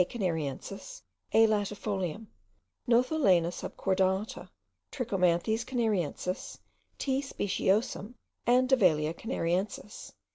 canariensis, A. latifolium, Nothalaena subcordata, Trichomanes canariensis, T. speciosum, and Davallia canariensis.)